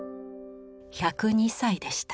１０２歳でした。